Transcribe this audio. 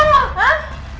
boleh semua orang